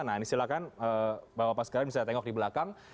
nah ini silahkan bapak bapak sekalian bisa tengok di belakang